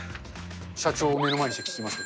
社長を目の前にして聞きますが。